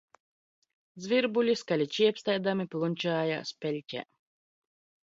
Zvirbuļi skaļi čiepstēdami plunčājās peļķē